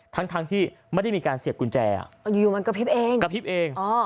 ทั้งที่ไม่ได้มีการเสียบกุญแจอ่ะอยู่มันกระพริบเอง